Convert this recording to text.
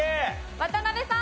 渡辺さん！